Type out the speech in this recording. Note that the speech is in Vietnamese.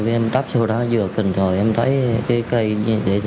em tắp vô đó vừa kình trời em thấy cây như thế